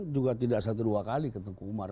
juga tidak satu dua kali ketemu umar